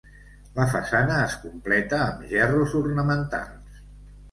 La façana es completa amb gerros ornamentals.